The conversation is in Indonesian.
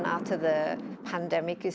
bahkan setelah pandemi berakhir